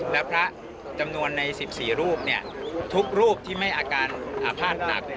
และพระจำนวนใน๑๔รูปทุกรูปที่ไม่อาการอาภาษณ์หนัก